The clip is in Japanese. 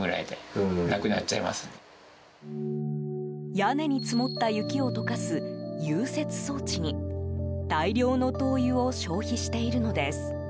屋根に積もった雪を溶かす融雪装置に大量の灯油を消費しているのです。